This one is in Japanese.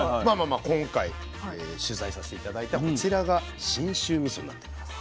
今回取材させて頂いたこちらが信州みそになってます。